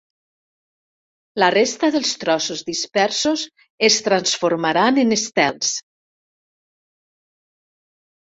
La resta dels trossos dispersos es transformaran en estels.